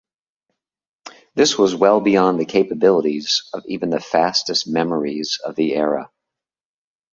This was well beyond the capabilities of even the fastest memories of the era.